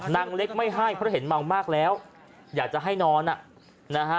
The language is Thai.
นางเล็กไม่ให้เพราะเห็นเมามากแล้วอยากจะให้นอนอ่ะนะฮะ